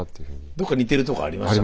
どっか似てるところありましたね